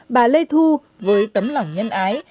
bà lê thu với tấm lòng nhân ái